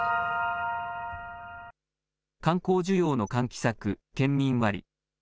観光需要の喚起策、県民割。